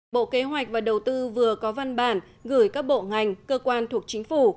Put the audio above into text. bộ kế hoạch và đầu tư vừa có văn bản gửi các bộ ngành cơ quan thuộc chính phủ